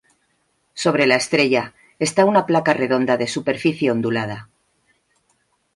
Sobre la estrella está una placa redonda de superficie ondulada.